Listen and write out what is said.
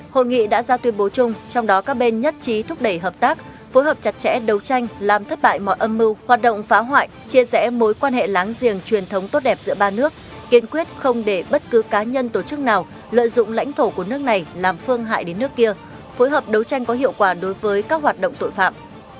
hội nghị đã ra tuyên bố chung trong đó các bên nhất trí thúc đẩy hợp tác phối hợp chặt chẽ đấu tranh làm thất bại mọi âm mưu hoạt động phá hoại chia rẽ mối quan hệ láng giềng truyền thống tốt đẹp giữa ba nước kiên quyết không để bất cứ cá nhân tổ chức nào lợi dụng lãnh thổ của nước này làm phương hại đến nước kia phối hợp đấu tranh có hiệu quả đối với các hoạt động tội phạm